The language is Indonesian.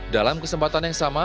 dalam kesempatan yang sama